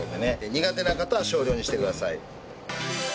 苦手な方は少量にしてください。